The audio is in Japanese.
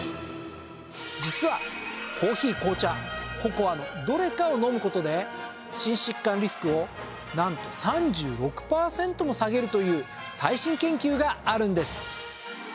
実はコーヒー紅茶ココアのどれかを飲む事で心疾患リスクをなんと３６パーセントも下げるという最新研究があるんです。